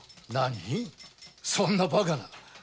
そんなバカな。